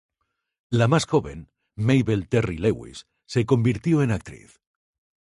La más joven, Mabel Terry-Lewis, se convirtió en actriz.